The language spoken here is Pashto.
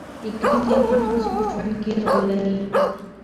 اقلیم د افغان ښځو په ژوند کې رول لري.